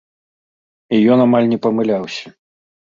І ён амаль не памыляўся.